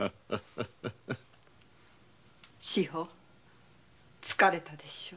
志保疲れたでしょう。